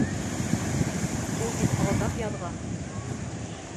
Ул бит алдап яҙған.